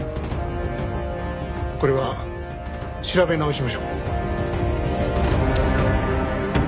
これは調べ直しましょう。